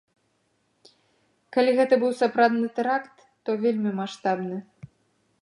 Калі гэта быў сапраўды тэракт, то вельмі маштабны.